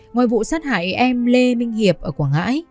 ngoài vụ sát hại em lê minh hiệp ở quảng ngãi